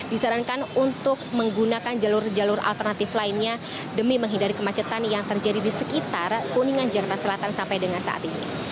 disarankan untuk menggunakan jalur jalur alternatif lainnya demi menghindari kemacetan yang terjadi di sekitar kuningan jakarta selatan sampai dengan saat ini